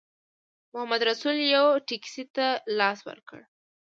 محمدرسول یوې ټیکسي ته لاس ورکړ.